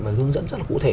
mà hướng dẫn rất là cụ thể